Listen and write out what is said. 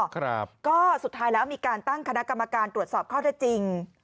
ครับก็สุดท้ายแล้วมีการตั้งคณะกรรมการตรวจสอบข้อเท็จจริง